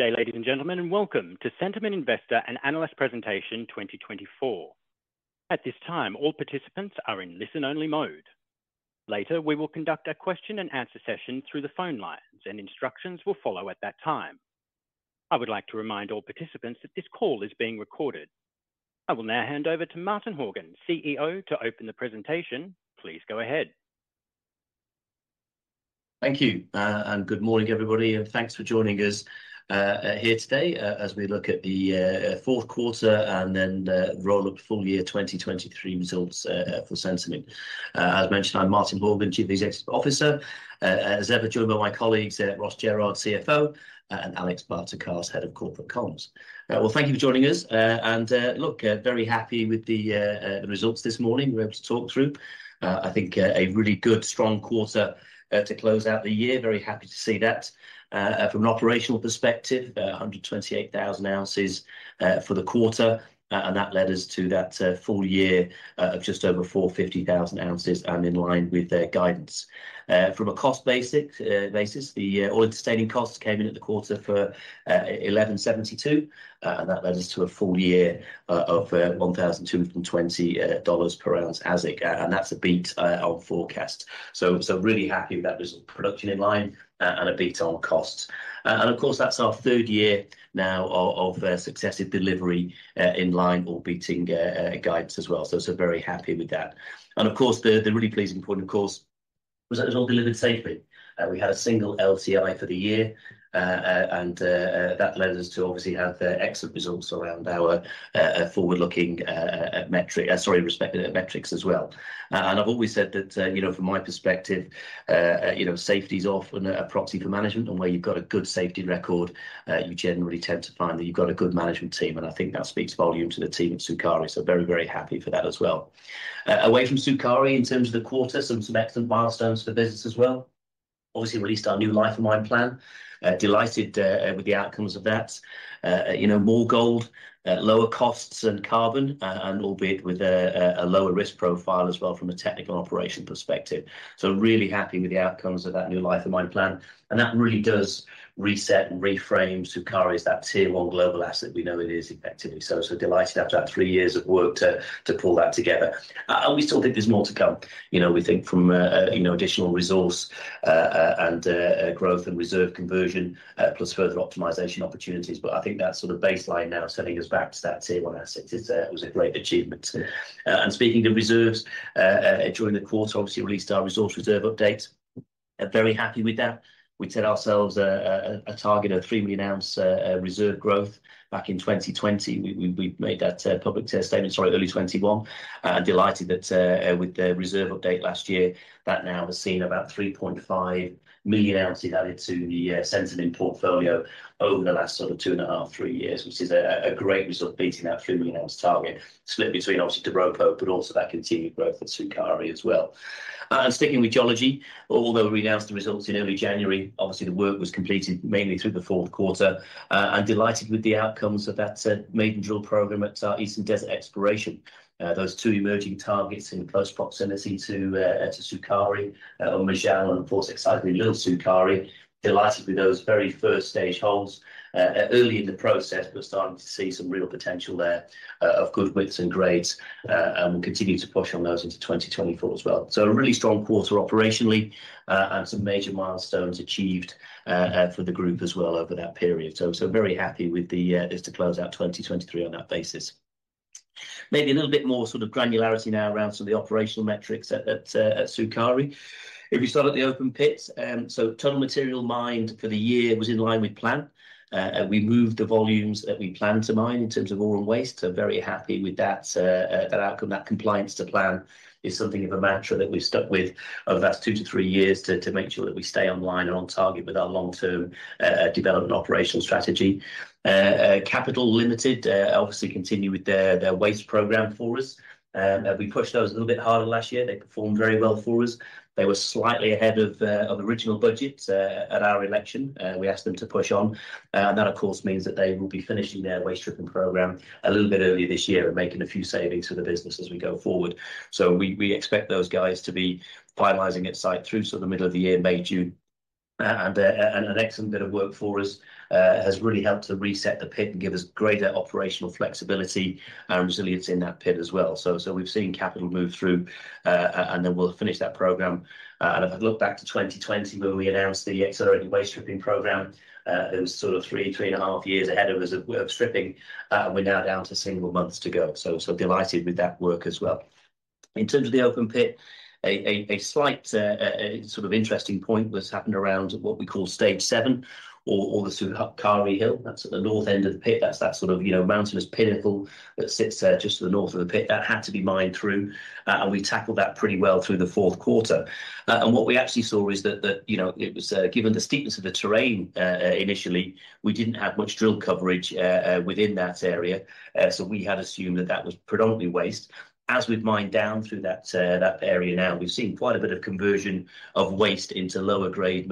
Good day, ladies and gentlemen, and welcome to Centamin Investor and Analyst Presentation 2024. At this time, all participants are in listen-only mode. Later, we will conduct a question and answer session through the phone lines, and instructions will follow at that time. I would like to remind all participants that this call is being recorded. I will now hand over to Martin Horgan, CEO, to open the presentation. Please go ahead. Thank you. Good morning, everybody, and thanks for joining us here today as we look at the fourth quarter and then the roll-up full year 2023 results for Centamin. As mentioned, I'm Martin Horgan, Chief Executive Officer, as ever, joined by my colleagues, Ross Jerrard, CFO, and Alexandra Barter-Carse, Head of Corporate Comms. Well, thank you for joining us, and look, very happy with the results this morning. We're able to talk through, I think, a really good, strong quarter to close out the year. Very happy to see that. From an operational perspective, 128,000 oz for the quarter, and that led us to that full year of just over 450,000 oz and in line with their guidance. From a cost basis, the all-in sustaining costs came in at the quarter for $1,172, and that led us to a full year of $1,220 dollars per oz AISC, and that's a beat on forecast. So really happy that there's production in line, and a beat on costs. And of course, that's our third year now of successive delivery in line or beating guidance as well, so very happy with that. And of course, the really pleasing point, of course, was that it was all delivered safely. We had a single LTI for the year, and that led us to obviously have excellent results around our forward-looking, sorry, respective metrics as well. I've always said that, you know, from my perspective, you know, safety is often a proxy for management. And where you've got a good safety record, you generally tend to find that you've got a good management team, and I think that speaks volumes to the team at Sukari. So very, very happy for that as well. Away from Sukari, in terms of the quarter, some excellent milestones for the business as well. Obviously, we released our new Life of Mine Plan. Delighted with the outcomes of that. You know, more gold, lower costs and carbon, and albeit with a lower risk profile as well from a technical operation perspective. So really happy with the outcomes of that new Life of Mine Plan, and that really does reset and reframe Sukari as that tier one global asset we know it is effectively. So delighted after that three years of work to pull that together. And we still think there's more to come. You know, we think from a, you know, additional resource and growth and reserve conversion, plus further optimization opportunities. But I think that sort of baseline now is sending us back to that tier one asset. It was a great achievement. And speaking of reserves, during the quarter, obviously, we released our resource reserve update, and very happy with that. We set ourselves a target of 3 million oz reserve growth back in 2020. We made that public statement, sorry, early 2021. And delighted that with the reserve update last year, that now has seen about 3.5 million oz added to the Centamin portfolio over the last sort of 2.5 to three years, which is a great result of beating that 3 million oz target. Split between obviously Doropo, but also that continued growth at Sukari as well. And sticking with geology, although we annozd the results in early January, obviously, the work was completed mainly through the fourth quarter. And delighted with the outcomes of that maiden drill program at our Eastern Desert exploration. Those two emerging targets in close proximity to Sukari, Umm Majal, and of course, excitedly, Little Sukari. Delighted with those very first-stage holes. Early in the process, we're starting to see some real potential there, of good widths and grades, and we continue to push on those into 2024 as well. So a really strong quarter operationally, and some major milestones achieved, for the group as well over that period. So very happy with the, just to close out 2023 on that basis. Maybe a little bit more sort of granularity now around some of the operational metrics at Sukari. If you start at the open pits, so total material mined for the year was in line with plan. We moved the volumes that we planned to mine in terms of ore and waste, so very happy with that, that outcome. That compliance to plan is something of a mantra that we've stuck with over the last two to three years to make sure that we stay online and on target with our long-term development operational strategy. Capital Limited obviously continue with their waste program for us. We pushed those a little bit harder last year. They performed very well for us. They were slightly ahead of original budget at our election. We asked them to push on, and that, of course, means that they will be finishing their waste stripping program a little bit earlier this year and making a few savings for the business as we go forward. So we expect those guys to be finalizing onsite through sort of the middle of the year, May, June. And an excellent bit of work for us has really helped to reset the pit and give us greater operational flexibility and resilience in that pit as well. So we've seen Capital move through and then we'll finish that program. And if I look back to 2020, when we annozd the accelerated waste stripping program, it was sort of 3-3.5 years ahead of us of stripping, and we're now down to single months to go. So delighted with that work as well. In terms of the open pit, a slight sort of interesting point that's happened around what we call Stage VII or the Sukari Hill. That's at the north end of the pit. That's that sort of, you know, mountainous pinnacle that sits just to the north of the pit. That had to be mined through, and we tackled that pretty well through the fourth quarter. And what we actually saw is that, that, you know, it was given the steepness of the terrain, initially, we didn't have much drill coverage within that area, so we had assumed that that was predominantly waste... as we've mined down through that area now, we've seen quite a bit of conversion of waste into lower grade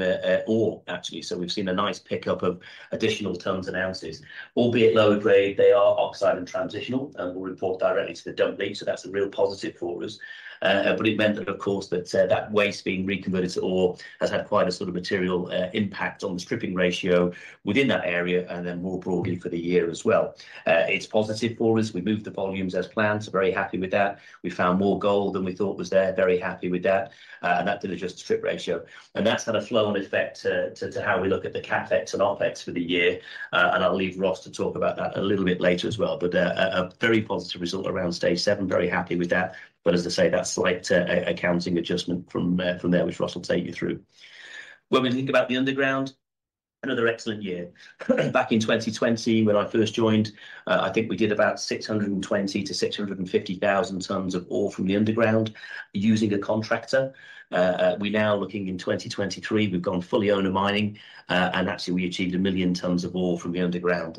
ore, actually. So we've seen a nice pickup of additional tons and oz. Albeit lower grade, they are oxide and transitional, and will report directly to the dump heap, so that's a real positive for us. But it meant that, of course, that waste being reconverted to ore has had quite a sort of material impact on the stripping ratio within that area, and then more broadly for the year as well. It's positive for us. We moved the volumes as planned, so very happy with that. We found more gold than we thought was there, very happy with that. And that did adjust the strip ratio. And that's had a flow-on effect to how we look at the CapEx and OpEx for the year. And I'll leave Ross to talk about that a little bit later as well. But a very positive result around stage seven. Very happy with that. But as I say, that slight accounting adjustment from there, which Ross will take you through. When we think about the underground, another excellent year. Back in 2020, when I first joined, I think we did about 620,000-650,000 tonnes of ore from the underground using a contractor. We're now looking in 2023, we've gone fully owner mining, and actually we achieved 1 million tonnes of ore from the underground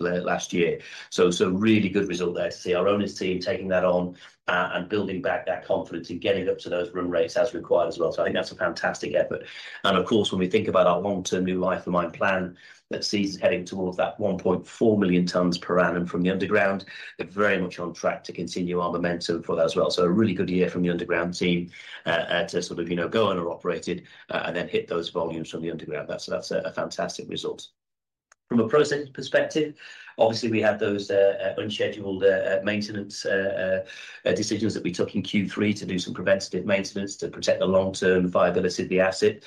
last year. So really good result there to see our owners team taking that on, and building back that confidence and getting up to those run rates as required as well, so I think that's a fantastic effort. And of course, when we think about our long-term new Life of Mine Plan, that sees us heading towards that 1.4 million tonnes per annum from the underground. We're very much on track to continue our momentum for that as well. So a really good year from the underground team, to sort of, you know, go owner-operated, and then hit those volumes from the underground. That's a fantastic result. From a process perspective, obviously, we had those unscheduled maintenance decisions that we took in Q3 to do some preventative maintenance to protect the long-term viability of the asset.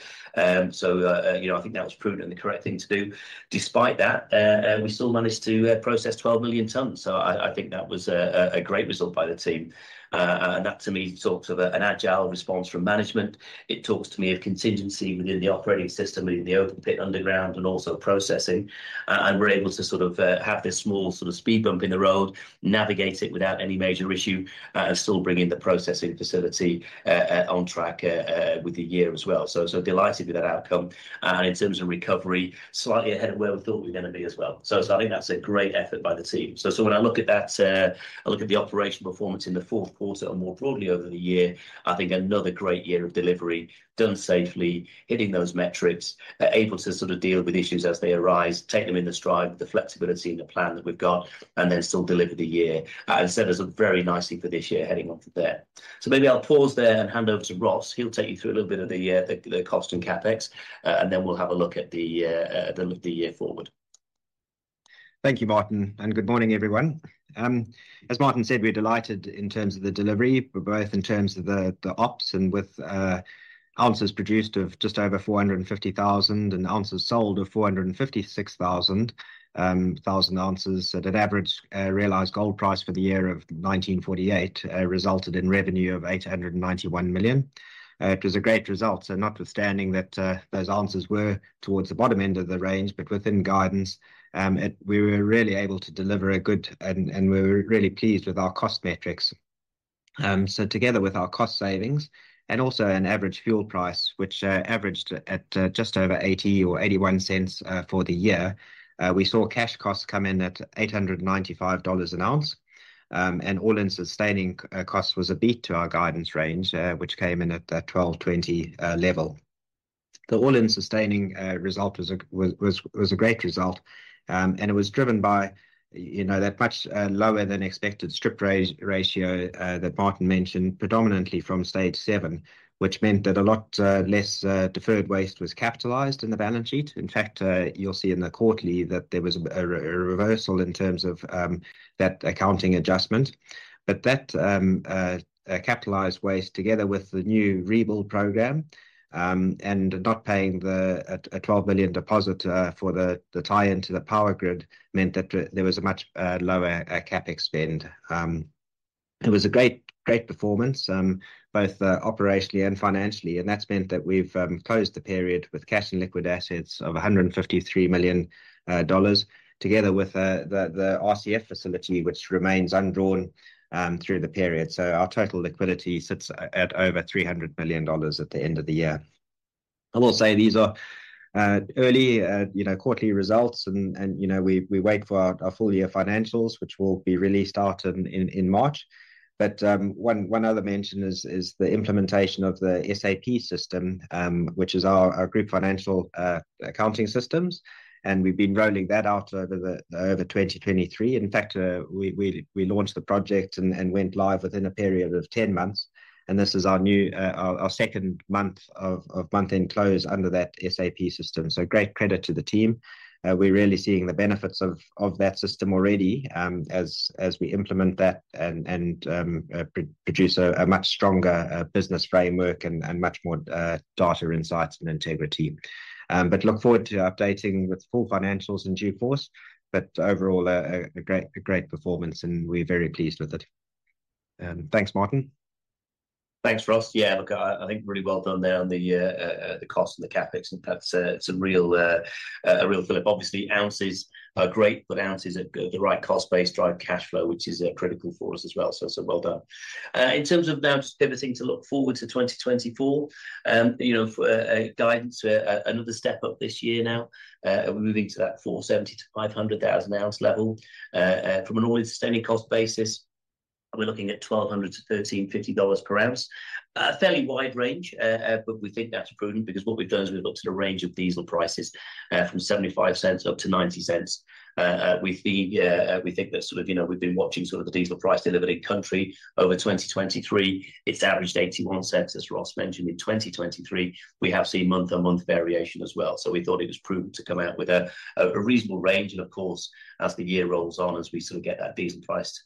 So, you know, I think that was prudent and the correct thing to do. Despite that, we still managed to process 12 million tonnes, so I think that was a great result by the team. And that, to me, talks of an agile response from management. It talks to me of contingency within the operating system, within the open pit, underground, and also processing. And we're able to sort of have this small sort of speed bump in the road, navigate it without any major issue, and still bring in the processing facility on track with the year as well. So, so delighted with that outcome. And in terms of recovery, slightly ahead of where we thought we were going to be as well. So, so I think that's a great effort by the team. So, so when I look at that... I look at the operational performance in the fourth quarter and more broadly over the year. I think another great year of delivery, done safely, hitting those metrics, able to sort of deal with issues as they arise, take them in the stride with the flexibility and the plan that we've got, and then still deliver the year. And set us up very nicely for this year, heading onto there. So maybe I'll pause there and hand over to Ross. He'll take you through a little bit of the cost and CapEx, and then we'll have a look at the year forward. Thank you, Martin, and good morning, everyone. As Martin said, we're delighted in terms of the delivery, both in terms of the ops and with oz produced of just over 450,000, and oz sold of 456,000 thousand oz, at an average realized gold price for the year of $1,948, resulted in revenue of $891 million. It was a great result. So notwithstanding that, those oz were towards the bottom end of the range, but within guidance, we were really able to deliver a good, and, and we're really pleased with our cost metrics. So together with our cost savings and also an average fuel price, which averaged at just over $0.80 or$0.81 for the year, we saw cash costs come in at $895 an oz. And all-in sustaining costs was a beat to our guidance range, which came in at the $1,220 level. The all-in sustaining result was a great result. And it was driven by, you know, that much lower-than-expected strip ratio that Martin mentioned, predominantly from stage 7, which meant that a lot less deferred waste was capitalized in the balance sheet. In fact, you'll see in the quarterly that there was a reversal in terms of that accounting adjustment. But that, capitalized waste, together with the new rebuild program, and not paying the, a $12 million deposit, for the, the tie-in to the power grid, meant that there, there was a much, lower, CapEx spend. It was a great, great performance, both, operationally and financially, and that's meant that we've, closed the period with cash and liquid assets of $153 million, together with, the, the RCF facility, which remains undrawn, through the period. So our total liquidity sits at over $300 million dollars at the end of the year. I will say these are, early, you know, quarterly results, and, you know, we wait for our full-year financials, which will be released out in March. But, one other mention is the implementation of the SAP system, which is our group financial accounting systems, and we've been rolling that out over 2023. In fact, we launched the project and went live within a period of 10 months, and this is our second month of month-end close under that SAP system. So great credit to the team. We're really seeing the benefits of that system already, as we implement that and produce a much stronger business framework and much more data insights and integrity. But look forward to updating with full financials in due course. But overall, a great performance, and we're very pleased with it. Thanks, Martin. Thanks, Ross. Yeah, look, I think really well done there on the cost and the CapEx, and that's a real fillip. Obviously, oz are great, but oz at the right cost base drive cashflow, which is critical for us as well, so well done. In terms of now just pivoting to look forward to 2024, you know, guidance, another step up this year now, we're moving to that 470,000 oz-500,000 oz level. From an all-in sustaining cost basis, we're looking at $1,200-$1,350 per oz. A fairly wide range, but we think that's prudent because what we've done is we've looked at a range of diesel prices from $0.75 up to $0.90. We think that sort of, you know, we've been watching sort of the diesel price delivered in country over 2023. It's averaged $0.81, as Ross mentioned, in 2023. We have seen month-on-month variation as well, so we thought it was prudent to come out with a reasonable range. And of course, as the year rolls on, as we sort of get that diesel price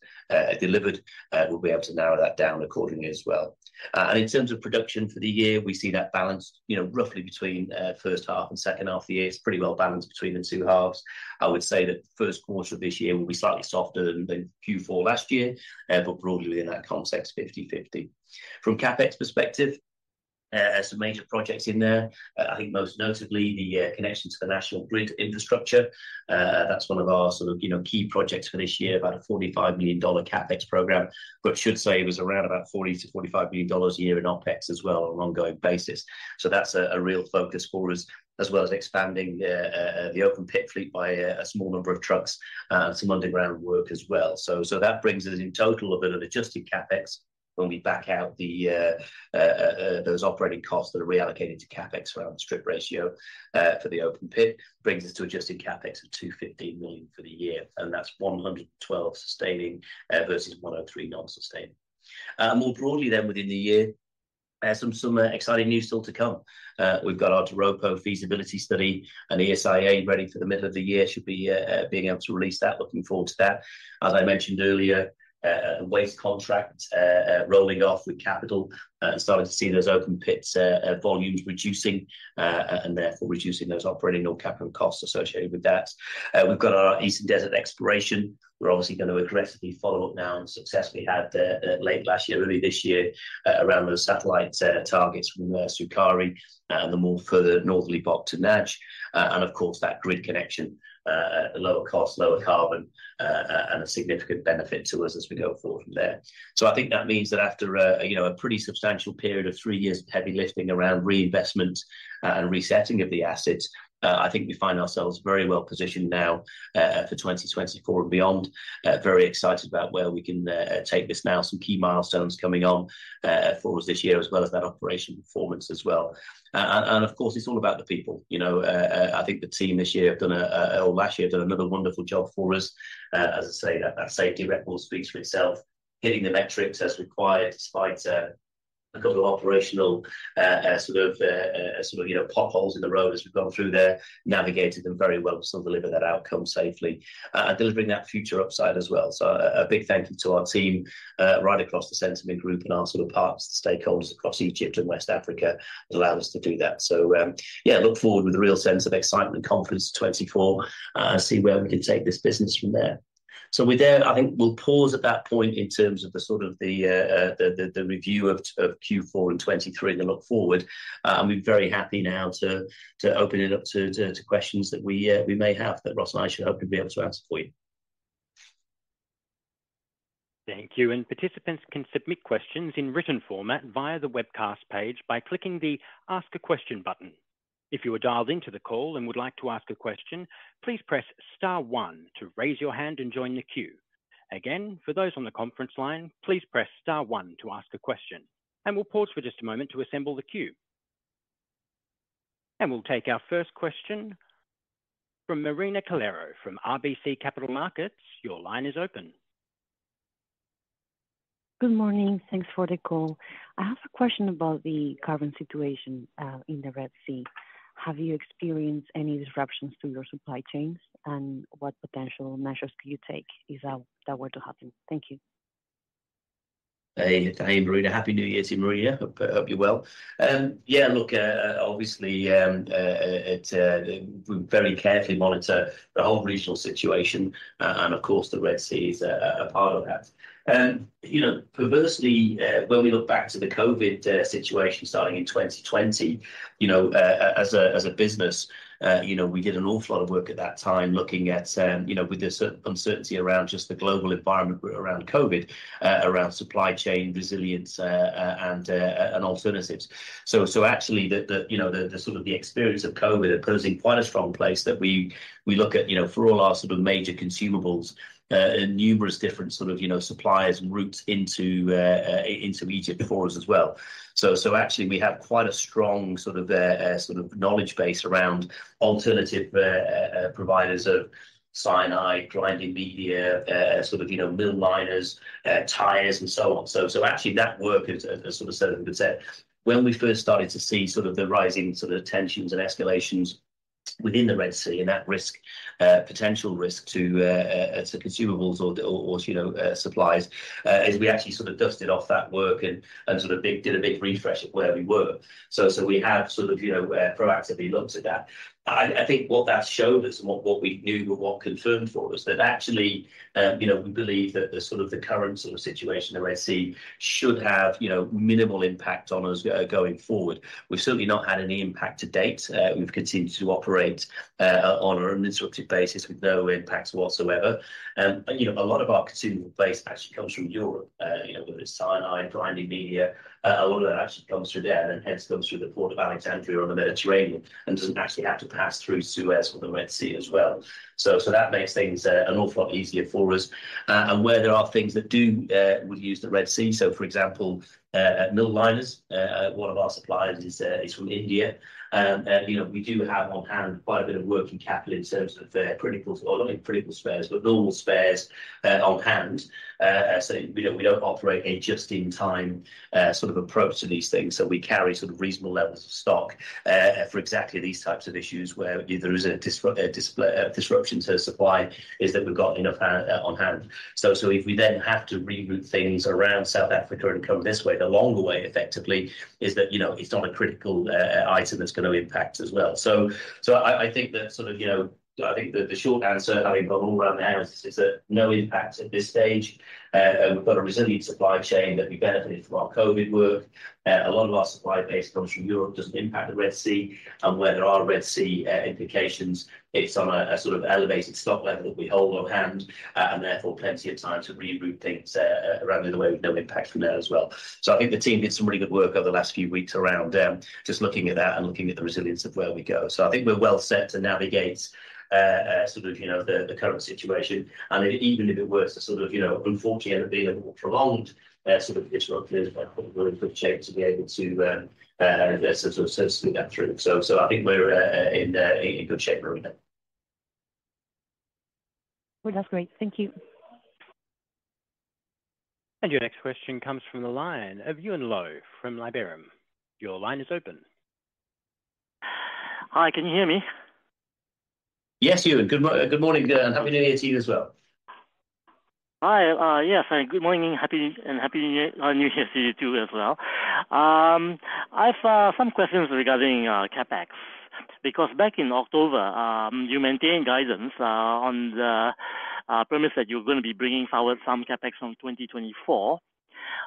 delivered, we'll be able to narrow that down accordingly as well. And in terms of production for the year, we see that balanced, you know, roughly between first half and second half of the year. It's pretty well balanced between the two halves. I would say that the first quarter of this year will be slightly softer than Q4 last year, but broadly within that context, 50/50. From CapEx perspective, some major projects in there. I think most notably, the connection to the national grid infrastructure. That's one of our sort of, you know, key projects for this year, about a $45 million CapEx program, but should say it was around about $40 million-$45 million a year in OpEx as well on an ongoing basis. So that's a real focus for us, as well as expanding the open pit fleet by a small number of trucks, and some underground work as well. So, so that brings us in total a bit of adjusted CapEx when we back out the those operating costs that are reallocated to CapEx around strip ratio. For the open pit, brings us to adjusted CapEx of $215 million for the year, and that's $112 million sustaining, versus $103 million non-sustaining. More broadly then, within the year, some exciting news still to come. We've got our Doropo feasibility study and ESIA ready for the middle of the year. Should be being able to release that. Looking forward to that. As I mentioned earlier, a waste contract rolling off with Capital, starting to see those open pits volumes reducing, and therefore reducing those operating non-capital costs associated with that. We've got our Eastern Desert exploration. We're obviously gonna aggressively follow up now and successfully out there, late last year, early this year, around those satellite targets from Sukari, the more further northerly block to Najd. And of course, that grid connection, lower cost, lower carbon, and a significant benefit to us as we go forward from there. So I think that means that after, you know, a pretty substantial period of three years of heavy lifting around reinvestment, and resetting of the assets, I think we find ourselves very well positioned now, for 2024 and beyond. Very excited about where we can take this now. Some key milestones coming on, for us this year, as well as that operation performance as well. And of course, it's all about the people. You know, I think the team this year have done, or last year, done another wonderful job for us. As I say, that, that safety record speaks for itself. Hitting the metrics as required, despite a couple of operational sort of, sort of, you know, potholes in the road as we've gone through there, navigated them very well to still deliver that outcome safely, and delivering that future upside as well. So a big thank you to our team right across the Centamin group and our sort of partners, stakeholders across Egypt and West Africa that allow us to do that. So, yeah, look forward with a real sense of excitement and confidence in 2024, see where we can take this business from there. So with that, I think we'll pause at that point in terms of the review of Q4 and 2023 and the look forward. And we're very happy now to open it up to questions that we may have, that Ross and I should hopefully be able to answer for you. Thank you, and participants can submit questions in written format via the webcast page by clicking the Ask a Question button. If you are dialed into the call and would like to ask a question, please press star one to raise your hand and join the queue. Again, for those on the conference line, please press star one to ask a question, and we'll pause for just a moment to assemble the queue. We'll take our first question from Marina Calero from RBC Capital Markets. Your line is open. Good morning. Thanks for the call. I have a question about the current situation in the Red Sea. Have you experienced any disruptions to your supply chains? What potential measures do you take if that were to happen? Thank you. Hey, hey, Marina. Happy New Year to you, Marina. Hope you're well. Yeah, look, obviously, we very carefully monitor the whole regional situation, and of course, the Red Sea is a part of that. You know, perversely, when we look back to the COVID situation starting in 2020, you know, as a business, you know, we did an awful lot of work at that time looking at, you know, with the uncertainty around just the global environment around COVID, around supply chain resilience, and alternatives. So actually, you know, the sort of experience of COVID puts us in quite a strong place that we look at, you know, for all our sort of major consumables and numerous different sort of, you know, suppliers and routes into Egypt for us as well. So actually we have quite a strong sort of knowledge base around alternative providers of cyanide, grinding media, sort of, you know, mill liners, tires, and so on. So, actually, that work is, as sort of said at the outset, when we first started to see sort of the rising sort of tensions and escalations within the Red Sea and that risk, potential risk to consumables or, you know, supplies, is we actually sort of dusted off that work and sort of did a big refresh of where we were. So, we have sort of, you know, proactively looked at that. I think what that's showed us and what we knew but what confirmed for us, that actually, you know, we believe that the sort of the current sort of situation in the Red Sea should have, you know, minimal impact on us going forward. We've certainly not had any impact to date. We've continued to operate on an uninterrupted basis with no impacts whatsoever. You know, a lot of our consumable base actually comes from Europe, but it's Sinai, grinding media. A lot of that actually comes through there, and hence comes through the Port of Alexandria on the Mediterranean and doesn't actually have to pass through Suez or the Red Sea as well. So that makes things an awful lot easier for us. And where there are things that would use the Red Sea, so for example, mill liners, one of our suppliers is from India. And you know, we do have on hand quite a bit of working capital in terms of critical, well, not critical spares, but normal spares on hand. So, you know, we don't operate a just-in-time, sort of approach to these things. So we carry sort of reasonable levels of stock, for exactly these types of issues, where if there is a disruption to supply, is that we've got enough on hand. So if we then have to reroute things around South Africa and come this way, the longer way effectively, is that, you know, it's not a critical item that's going to impact as well. So I think that sort of, you know, I think that the short answer, I mean, but all around there is that no impact at this stage. We've got a resilient supply chain that we benefited from our COVID work. A lot of our supply base comes from Europe, doesn't impact the Red Sea. And where there are Red Sea implications, it's on a sort of elevated stock level that we hold on hand, and therefore plenty of time to reroute things around the other way with no impact from there as well. So I think the team did some really good work over the last few weeks around just looking at that and looking at the resilience of where we go. So I think we're well set to navigate sort of, you know, the current situation. And even if it were to sort of, you know, unfortunately, end up being a more prolonged sort of disruption, I think we're in good shape to be able to sort of see that through. So I think we're in good shape around that. Well, that's great. Thank you. Your next question comes from the line of Yuen Low from Liberum. Your line is open. Hi, can you hear me? Yes, Yuen. Good morning, and happy New Year to you as well. Hi, yes, hi, good morning, happy, and happy New Year, New Year to you, too, as well. I've some questions regarding CapEx. Because back in October, you maintained guidance on the premise that you were going to be bringing forward some CapEx from 2024.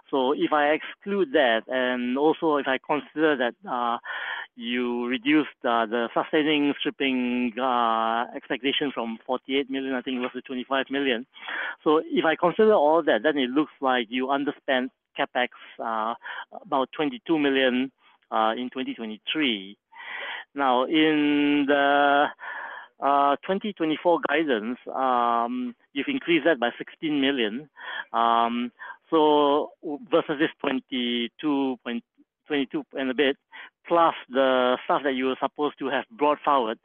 So if I exclude that, and also if I consider that you reduced the sustaining stripping expectation from $48 million, I think it was to $25 million. So if I consider all that, then it looks like you underspent CapEx about $22 million in 2023. Now, in the 2024 guidance, you've increased that by $16 million, so versus this 22.22 and a bit, plus the stuff that you were supposed to have brought forward,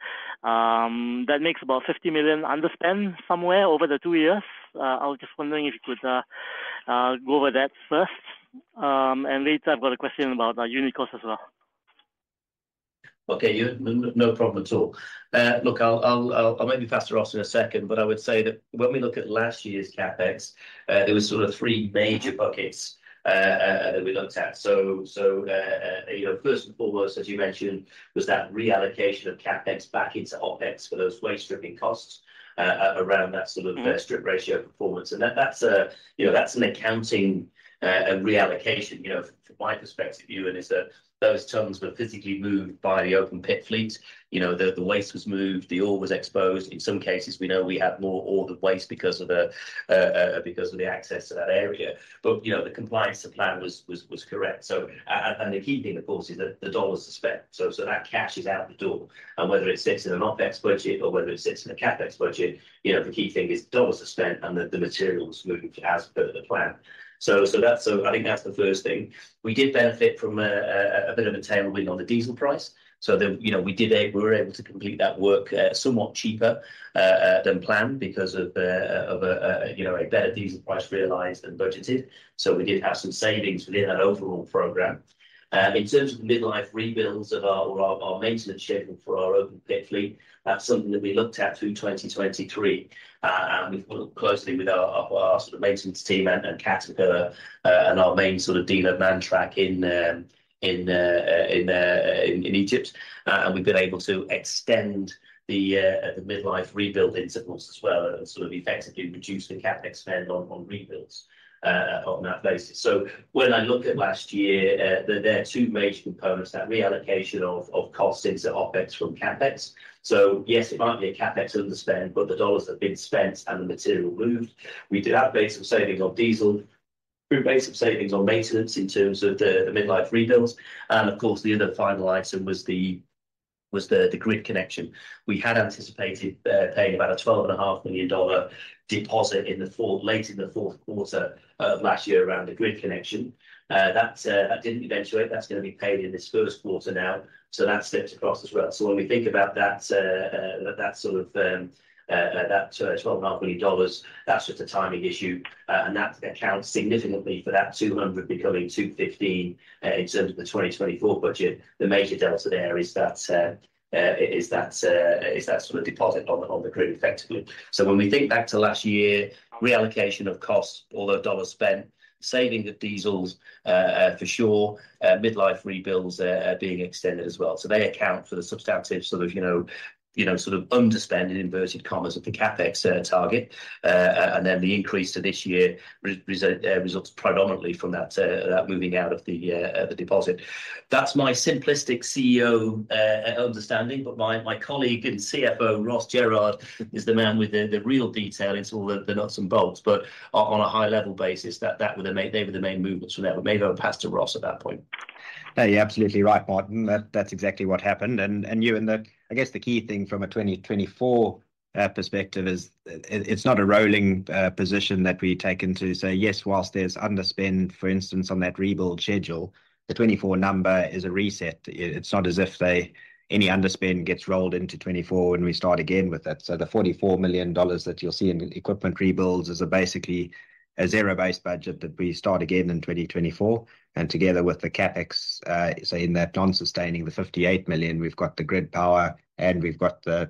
that makes about $50 million underspend somewhere over the two years. I was just wondering if you could go over that first. And later, I've got a question about unit costs as well. Okay, Yuen, no problem at all. Look, I'll fast-forward in a second, but I would say that when we look at last year's CapEx, there was sort of three major buckets that we looked at. So, you know, first and foremost, as you mentioned, was that reallocation of CapEx back into OpEx for those waste stripping costs, around that sort of- Mm-hmm... strip ratio performance. And that, that's a, you know, that's an accounting, a reallocation. You know, from my perspective, Yuen, is that those tons were physically moved by the open pit fleet. You know, the waste was moved, the ore was exposed. In some cases, we know we had more ore than waste because of the, because of the access to that area. But, you know, the compliance to plan was correct. So, and the key thing, of course, is that the dollars are spent, so, so that cash is out the door. And whether it sits in an OpEx budget or whether it sits in a CapEx budget, you know, the key thing is dollars are spent and that the material is moved as per the plan. So, so that's, so I think that's the first thing. We did benefit from a bit of a tailwind on the diesel price. So, you know, we were able to complete that work somewhat cheaper than planned because of a, you know, a better diesel price realized than budgeted. So we did have some savings within that overall program. In terms of the midlife rebuilds of our maintenance schedule for our open pit fleet, that's something that we looked at through 2023. And we've worked closely with our sort of maintenance team and Caterpillar and our main sort of dealer, Mantrac, in Egypt. And we've been able to extend the midlife rebuild intervals as well, and sort of effectively reduce the CapEx spend on rebuilds on that basis. So when I look at last year, there are two major components, that reallocation of costs into OpEx from CapEx. So yes, it might be a CapEx underspend, but the dollars have been spent and the material moved. We did have basic savings on diesel. We have basic savings on maintenance in terms of the midlife rebuilds. And of course, the other final item was the grid connection. We had anticipated paying about a $12.5 million deposit in the fourth, late in the fourth quarter of last year around the grid connection. That didn't eventuate. That's going to be paid in this first quarter now, so that slips across as well. So when we think about that, that sort of, that $12.5 million, that's just a timing issue. And that accounts significantly for that 200 becoming 215, in terms of the 2024 budget. The major delta there is that, is that sort of deposit on the, on the grid, effectively. So when we think back to last year, reallocation of costs, all the dollars spent, saving the diesels, for sure, midlife rebuilds, being extended as well. So they account for the substantive sort of, you know, you know, sort of underspend, in inverted commas, of the CapEx target. And then the increase to this year results predominantly from that, that moving out of the, the deposit. That's my simplistic CEO understanding, but my colleague and CFO, Ross Jerrard, is the man with the real detail into all the nuts and bolts. But on a high-level basis, that were the main movements from there. We may well pass to Ross at that point.... No, you're absolutely right, Martin. That's exactly what happened. And Yuen, the—I guess the key thing from a 2024 perspective is, it's not a rolling position that we take into. So yes, while there's underspend, for instance, on that rebuild schedule, the 2024 number is a reset. It's not as if they, any underspend gets rolled into 2024, and we start again with that. So the $44 million that you'll see in equipment rebuilds is basically a zero-based budget that we start again in 2024, and together with the CapEx, so in that non-sustaining, the $58 million, we've got the grid power, and we've got the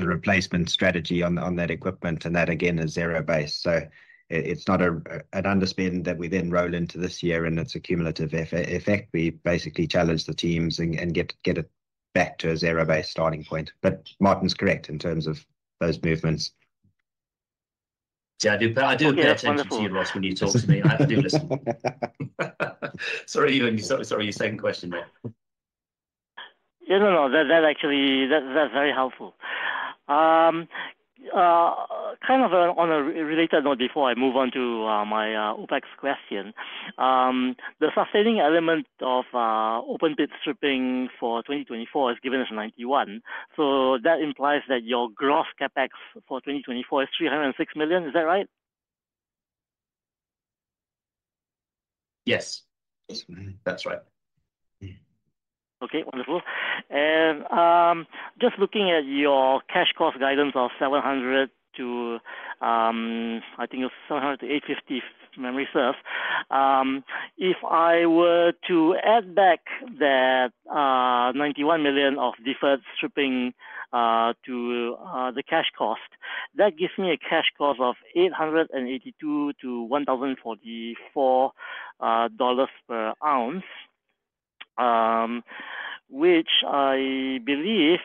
replacement strategy on that equipment, and that again is zero-based. So it's not an underspend that we then roll into this year, and it's a cumulative effect. We basically challenge the teams and get it back to a zero-based starting point. But Martin's correct in terms of those movements. Yeah, I do. I do pay attention to you, Ross. Yeah, wonderful.... when you talk to me. I do listen. Sorry, Yuen, sorry, sorry, your second question was? Yeah, no, no, that actually that's very helpful. Kind of on a related note before I move on to my OpEx question. The sustaining element of open pit stripping for 2024 has given us 91. So that implies that your gross CapEx for 2024 is $306 million. Is that right? Yes. Yes. Mm-hmm, that's right. Mm. Okay, wonderful. Just looking at your cash cost guidance of $700 to, I think it was $700-$850, if memory serves. If I were to add back that $91 million of deferred stripping to the cash cost, that gives me a cash cost of $882-$1,044 per oz. Which I believe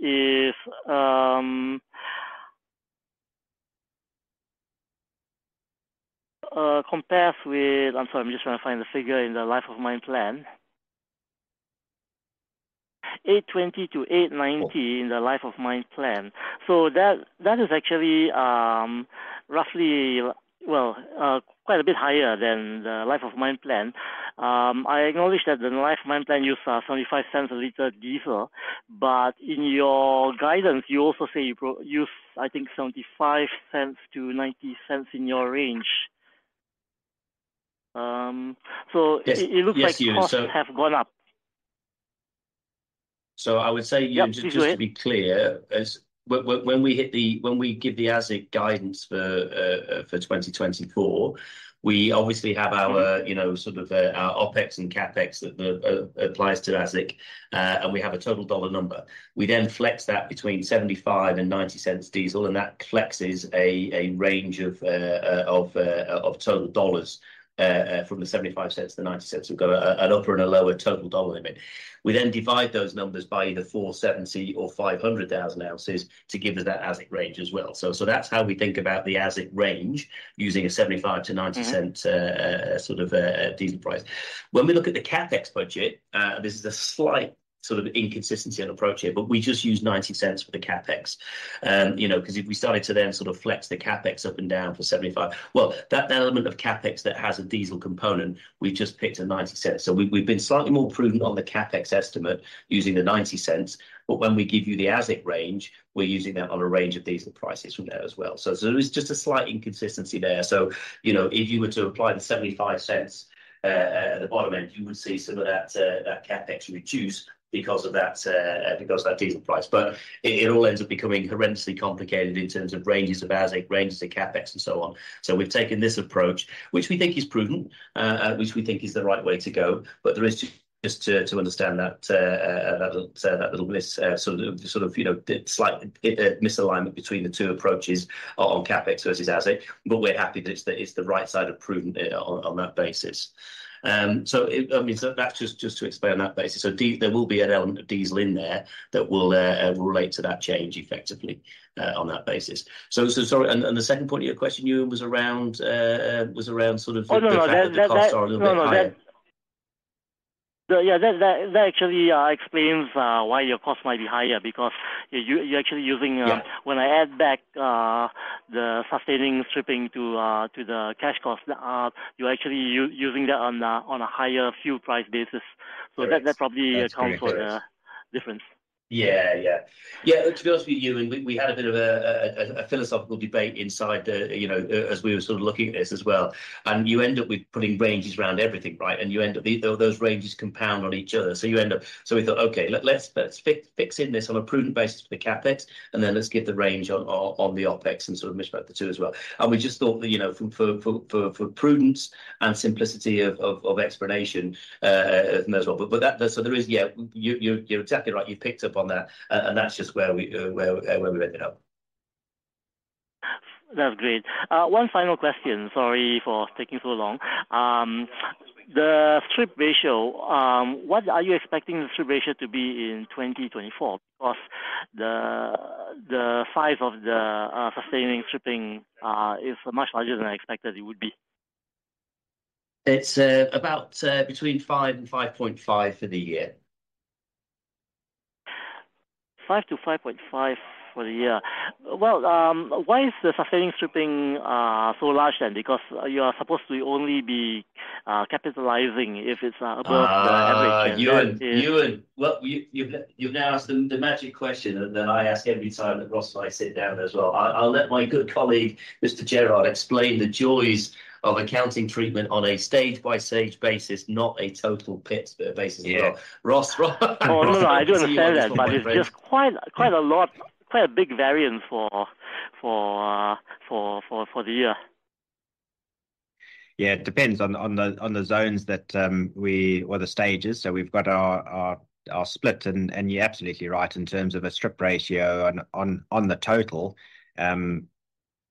is compares with... I'm sorry, I'm just trying to find the figure in the Life of Mine Plan. $820-$890- Oh. in the Life of Mine Plan. So that, that is actually, roughly, well, quite a bit higher than the Life of Mine Plan. I acknowledge that the Life of Mine Plan use $0.75 a liter diesel, but in your guidance, you also say you use, I think, $0.75-$0.90 in your range. So- Yes. Yes, Yuen, so- It looks like costs have gone up. So I would say, Yuen- Yep, go ahead.... just to be clear, as when, when we hit the when we give the AISC guidance for 2024, we obviously have our- Mm... you know, sort of, our OpEx and CapEx that applies to AISC, and we have a total dollar number. We then flex that between $0.75 and $0.90 diesel, and that flexes a range of total dollars from the $0.75 to the $0.90. We've got an upper and a lower total dollar limit. We then divide those numbers by either 470,000 or 500,000 oz to give us that AISC range as well. So that's how we think about the AISC range, using a $0.75-$0.90 Mm... sort of diesel price. When we look at the CapEx budget, this is a slight sort of inconsistency in approach here, but we just use $0.90 for the CapEx. You know, 'cause if we started to then sort of flex the CapEx up and down for $0.75... Well, that element of CapEx that has a diesel component, we just picked a $0.90. So we've been slightly more prudent on the CapEx estimate using the $0.90, but when we give you the AISC range, we're using that on a range of diesel prices from there as well. So there is just a slight inconsistency there. So, you know, if you were to apply the $0.75 at the bottom end, you would see some of that CapEx reduce because of that diesel price. But it all ends up becoming horrendously complicated in terms of ranges of AISC, ranges of CapEx, and so on. So we've taken this approach, which we think is prudent, which we think is the right way to go. But there is, just to understand that little miss, sort of, you know, slight misalignment between the two approaches on CapEx versus AISC, but we're happy that it's the, it's the right side of prudent, on that basis. So it, I mean, so that's just to explain on that basis. So there will be an element of diesel in there that will relate to that change effectively, on that basis. So sorry, and the second point of your question, Yuen, was around sort of- Oh, no, no, that, that- the fact that the costs are a little bit higher. No, no. So yeah, that actually explains why your cost might be higher. Because you, you're actually using- Yeah... when I add back the sustaining stripping to the cash cost, you're actually using that on a higher fuel price basis. Yes. That, that probably accounts for the- That's pretty close.... difference. Yeah, yeah. Yeah, to be honest with you, Yuen, we had a bit of a philosophical debate inside the, you know, as we were sort of looking at this as well, and you end up with putting ranges around everything, right? And you end up, those ranges compound on each other, so you end up. So we thought, "Okay, let's fix in this on a prudent basis for the CapEx, and then let's give the range on the OpEx, and sort of mix up the two as well." And we just thought that, you know, for prudence and simplicity of explanation, as well. But that, so there is, yeah, you're exactly right. You've picked up on that, and that's just where we ended up. That's great. One final question, sorry for taking so long. The strip ratio, what are you expecting the Strip Ratio to be in 2024? Because the size of the sustaining stripping is much larger than I expected it would be. It's about between 5 and 5.5 for the year. ... 5-5.5 for the year. Well, why is the sustaining stripping so large then? Because you are supposed to only be capitalizing if it's above the average, and- Ah, Yuen, well, you've now asked the magic question that I ask every time that Ross and I sit down as well. I'll let my good colleague, Mr. Jerrard, explain the joys of accounting treatment on a stage-by-stage basis, not a total pit spit basis. Yeah. Ross Oh, no, I do understand that-... but- It's just quite a lot, quite a big variance for the year. Yeah, it depends on the zones or the stages. So we've got our split, and you're absolutely right in terms of a strip ratio on the total.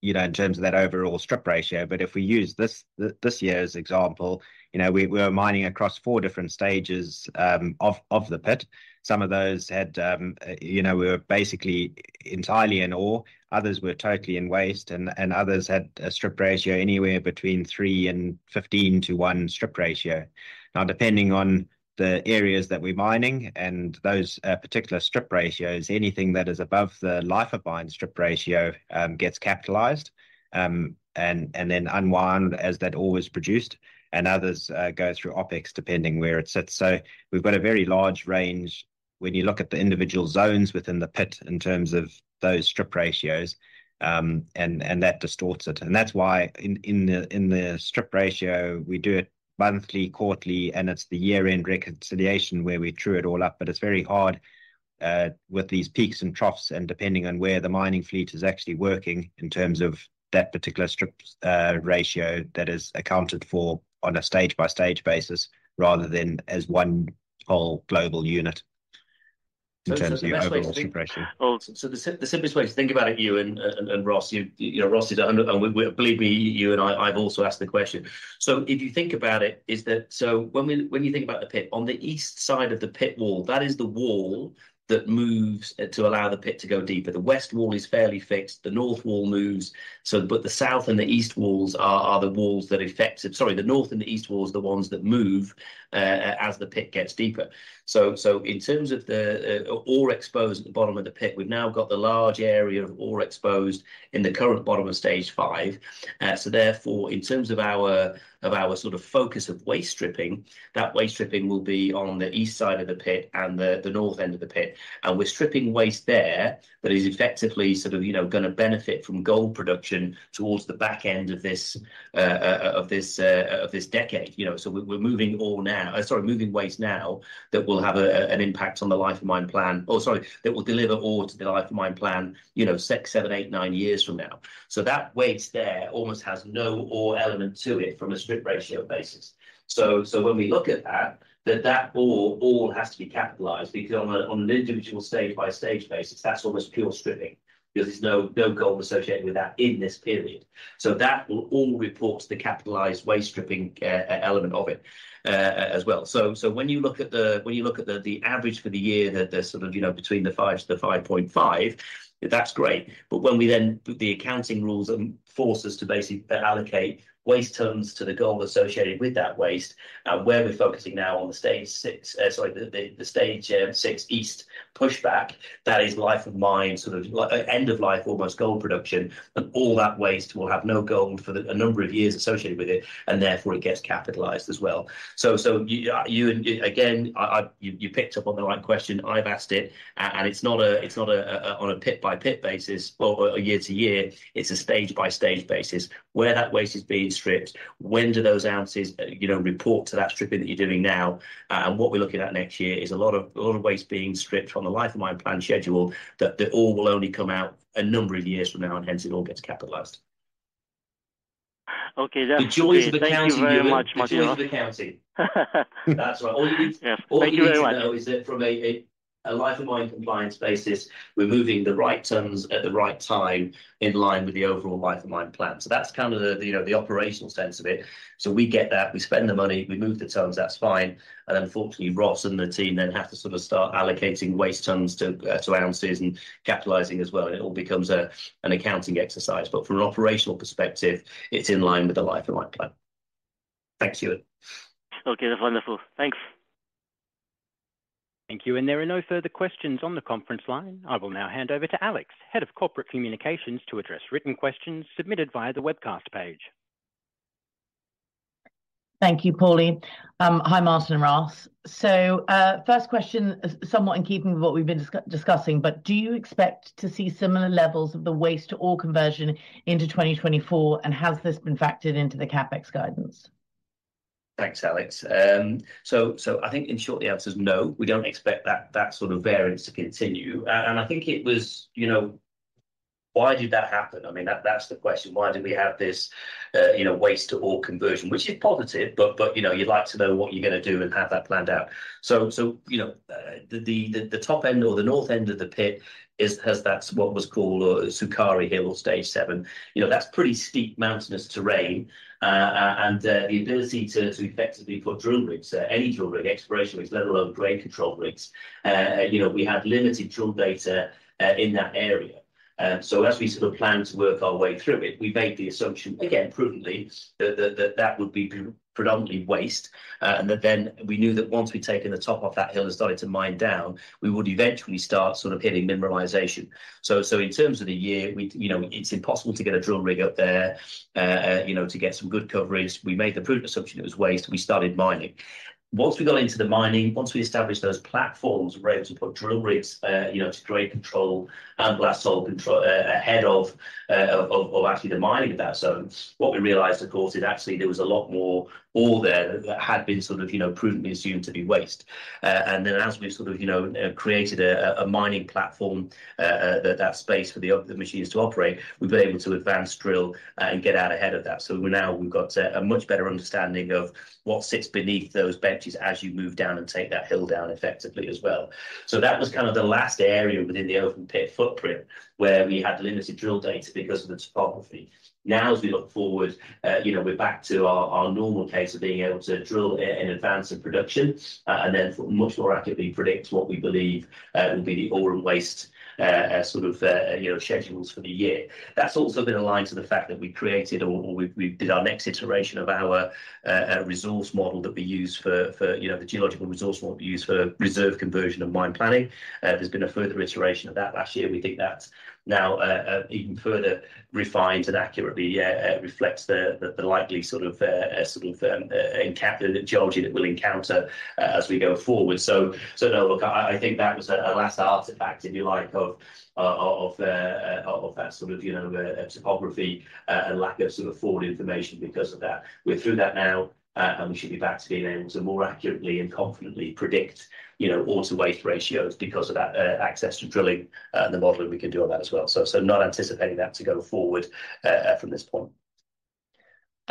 You know, in terms of that overall strip ratio. But if we use this year's example, you know, we are mining across four different stages of the pit. Some of those had, you know, were basically entirely in ore, others were totally in waste, and others had a strip ratio anywhere between 3 and 15 to 1 strip ratio. Now, depending on the areas that we're mining and those particular strip ratios, anything that is above the Life of Mine strip ratio gets capitalized, and then unwind as that ore is produced, and others go through OpEx, depending where it sits. So we've got a very large range when you look at the individual zones within the pit in terms of those strip ratios, and that distorts it. And that's why in the strip ratio, we do it monthly, quarterly, and it's the year-end reconciliation where we true it all up. But it's very hard with these peaks and troughs, and depending on where the mining fleet is actually working in terms of that particular strip ratio that is accounted for on a stage-by-stage basis, rather than as one whole global unit- So, the best way to think- in terms of the overall strip ratio. Awesome. So the simplest way to think about it, Yuen, and, Ross, you know, Ross is under... And, believe me, Yuen, I, I've also asked the question. So if you think about it, is that... So when you think about the pit, on the east side of the pit wall, that is the wall that moves to allow the pit to go deeper. The west wall is fairly fixed, the north wall moves, so but the south and the east walls are, are the walls that effective- sorry, the north and the east walls are the ones that move as the pit gets deeper. So, so in terms of the ore exposed at the bottom of the pit, we've now got the large area of ore exposed in the current bottom of stage five. So therefore, in terms of our of our sort of focus of waste stripping, that waste stripping will be on the east side of the pit and the north end of the pit. And we're stripping waste there that is effectively sort of, you know, gonna benefit from gold production towards the back end of this of this decade, you know. So we're moving ore now, sorry, moving waste now, that will have a an impact on the Life of Mine Plan. Or sorry, that will deliver ore to the Life of Mine Plan, you know, six, seven, eight, nine years from now. So that waste there almost has no ore element to it from a strip ratio basis. So when we look at that, then that ore all has to be capitalized, because on an individual stage-by-stage basis, that's almost pure stripping, because there's no gold associated with that in this period. So that will all report to the capitalized waste stripping element of it as well. So when you look at the average for the year, the sort of, you know, between the 5 to the 5.5, that's great. But when the accounting rules force us to basically allocate waste tons to the gold associated with that waste, where we're focusing now on the stage six, sorry, the Stage 6 east pushback, that is Life of Mine, sort of end of life, almost, gold production, and all that waste will have no gold for a number of years associated with it, and therefore it gets capitalized as well. So, Yuen, again, you picked up on the right question. I've asked it, and it's not on a pit-by-pit basis or a year-to-year, it's a stage-by-stage basis. Where that waste is being stripped, when do those oz, you know, report to that stripping that you're doing now? and what we're looking at next year is a lot of, a lot of waste being stripped from the Life of Mine Plan schedule, that the ore will only come out a number of years from now, and hence it all gets capitalized. Okay, that's clear. The joys of accounting, Yuen- Thank you very much, Martin.... the joys of accounting. That's right. All you need to- Yeah, thank you very much.... all you need to know is that from a Life of Mine compliance basis, we're moving the right tons at the right time, in line with the overall Life of Mine plan. So that's kind of the you know the operational sense of it. So we get that, we spend the money, we move the tons, that's fine, and unfortunately, Ross and the team then have to sort of start allocating waste tons to oz and capitalizing as well, and it all becomes an accounting exercise. But from an operational perspective, it's in line with the Life of Mine Plan. Thank you, Yuen. Okay, that's wonderful. Thanks. Thank you, and there are no further questions on the conference line. I will now hand over to Alex, Head of Corporate Communications, to address written questions submitted via the webcast page. Thank you, Paulie. Hi, Martin and Ross. First question is somewhat in keeping with what we've been discussing, but do you expect to see similar levels of the waste-to-ore conversion into 2024, and has this been factored into the CapEx guidance? Thanks, Alex. So, so I think in short, the answer is no, we don't expect that, that sort of variance to continue. And I think it was, you know, why did that happen? I mean, that, that's the question. Why did we have this, you know, waste-to-ore conversion? Which is positive, but, but, you know, you'd like to know what you're gonna do and have that planned out. So, so, you know, the, the, the top end or the north end of the pit has that's what was called, Sukari Hill, Stage 7. You know, that's pretty steep, mountainous terrain. And, the ability to, to effectively put drill rigs, any drill rig, exploration rigs, let alone grade control rigs, you know, we had limited drill data, in that area. So as we sort of planned to work our way through it, we made the assumption, again, prudently, that that would be predominantly waste. And that then we knew that once we'd taken the top off that hill and started to mine down, we would eventually start sort of hitting mineralization. So in terms of the year, you know, it's impossible to get a drill rig up there, you know, to get some good coverage. We made the prudent assumption it was waste, and we started mining. Once we got into the mining, once we established those platforms, we were able to put drill rigs, you know, to grade control and blast hole control, ahead of actually the mining of that zone. What we realized, of course, is actually there was a lot more ore there that had been sort of, you know, prudently assumed to be waste. And then as we sort of, you know, created a mining platform, that space for the machines to operate, we've been able to advance, drill, and get out ahead of that. So we're now—we've got a much better understanding of what sits beneath those benches as you move down and take that hill down effectively as well. So that was kind of the last area within the open pit footprint, where we had limited drill data because of the topography. Now, as we look forward, you know, we're back to our normal case of being able to drill in advance of production, and then much more accurately predict what we believe will be the ore and waste, sort of, you know, schedules for the year. That's also been aligned to the fact that we created, or we did our next iteration of our resource model that we use for, you know, the geological resource model we use for reserve conversion and mine planning. There's been a further iteration of that last year. We think that's now even further refined and accurately reflects the likely sort of encountered geology that we'll encounter as we go forward. So no, look, I think that was a last artifact, if you like, of that sort of, you know, topography, and lack of sort of forward information because of that. We're through that now, and we should be back to being able to more accurately and confidently predict, you know, ore-to-waste ratios because of that, access to drilling, and the modeling we can do on that as well. So not anticipating that to go forward, from this point.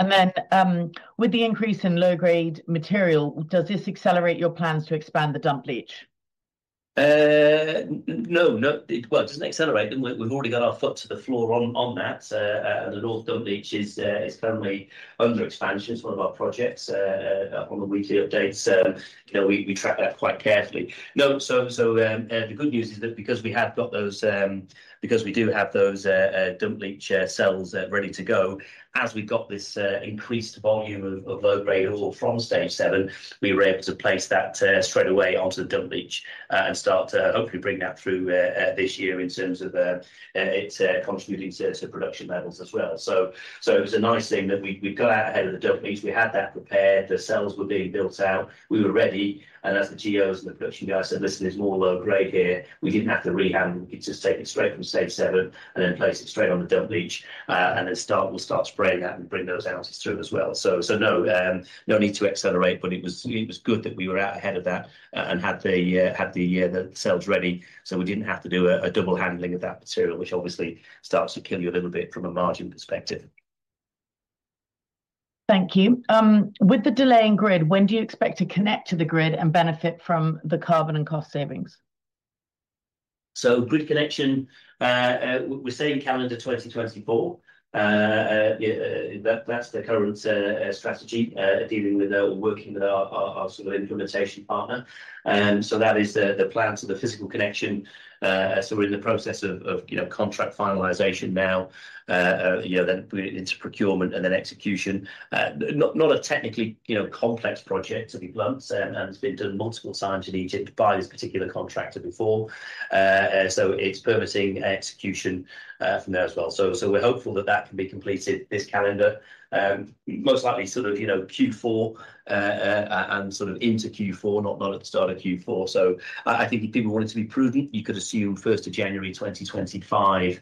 With the increase in low-grade material, does this accelerate your plans to expand the dump leach? No, no. Well, it doesn't accelerate them. We've already got our foot to the floor on that. The North dump leach is currently under expansion. It's one of our projects on the weekly updates. You know, we track that quite carefully. No, so the good news is that because we have got those... Because we do have those dump leach cells ready to go, as we got this increased volume of low-grade ore from stage seven, we were able to place that straight away onto the dump leach and start to hopefully bring that through this year in terms of it contributing to production levels as well. So it was a nice thing that we got out ahead of the dump leach. We had that prepared. The cells were being built out. We were ready, and as the geos and the production guys said, "Listen, there's more low grade here," we didn't have to rehandle. We could just take it straight from stage seven and then place it straight on the dump leach, and then we'll start spreading that and bring those oz through as well. So no need to accelerate, but it was good that we were out ahead of that, and had the cells ready, so we didn't have to do a double handling of that material, which obviously starts to kill you a little bit from a margin perspective. Thank you. With the delay in grid, when do you expect to connect to the grid and benefit from the carbon and cost savings? So grid connection, we're saying calendar 2024. Yeah, that, that's the current strategy, dealing with the- or working with our, our, our sort of implementation partner. So that is the plan to the physical connection. So we're in the process of, you know, contract finalization now. You know, then into procurement and then execution. Not a technically, you know, complex project, to be blunt, and it's been done multiple times in Egypt by this particular contractor before. So it's permitting execution from there as well. So we're hopeful that that can be completed this calendar. Most likely sort of, you know, Q4, and sort of into Q4, not at the start of Q4. So I think if people want it to be prudent, you could assume first of January 2025